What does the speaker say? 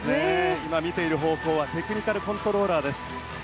見ている方向はテクニカルコントローラーです。